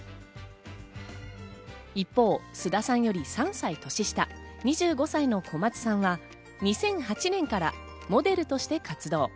一方、菅田さんより３歳年下、２５歳の小松さんは２００８年からモデルとして活動。